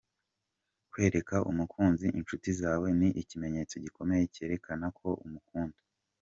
Kwereka umukunzi inshuti zawe ni ikimenyetso gikomeya cyerekana ko umukunda.